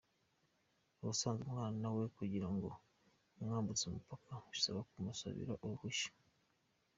Ubusanzwe umwana nawe kugira ngo umwambutse umupaka bisaba kumusabira uruhushya.